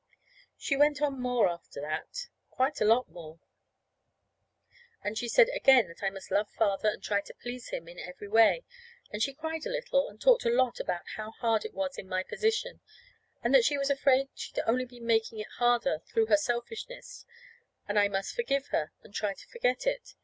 She went on more after that, quite a lot more. And she said again that I must love Father and try to please him in every way; and she cried a little and talked a lot about how hard it was in my position, and that she was afraid she'd only been making it harder, through her selfishness, and I must forgive her, and try to forget it.